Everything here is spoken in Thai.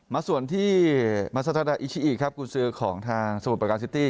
มาส่วนที่มาซาตาอิชิอีคุณซื้อของทางสมุทรประกาศซิตี้